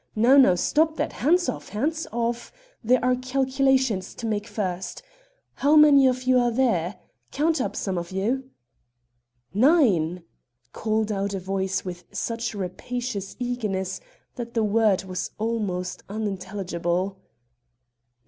Now, now! stop that! hands off! hands off! there are calculations to make first. How many of you are there? Count up, some of you." "Nine!" called out a voice with such rapacious eagerness that the word was almost unintelligible.